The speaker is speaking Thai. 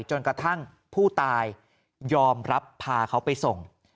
จนกระทั่งผู้ตายยอมรับพาเขาไปส่ง